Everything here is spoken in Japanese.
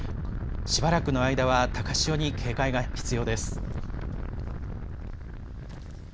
しばらくの間は、高潮に警戒が必要です。